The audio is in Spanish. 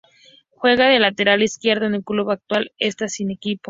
Juega de lateral izquierdo y su club actual esta sin equipo.